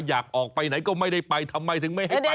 อยากออกไปไหนก็ไม่ได้ไปทำไมถึงไม่ให้ไป